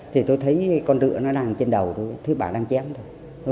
thì tôi thấy con rựa nó đang trên đầu thôi thứ bà đang chém thôi